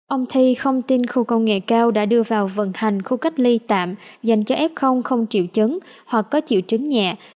ông thi không tin khu công nghệ cao đã đưa vào vận hành khu cách ly tạm dành cho f không triệu chứng hoặc có triệu chứng nhẹ